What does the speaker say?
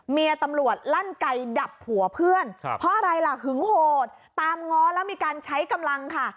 เมียตำรวจลั่นไก่ดับผัวเพื่อนเพราะอะไรล่ะหึงโหดตามง้อแล้วมีการใช้กำลังค่ะ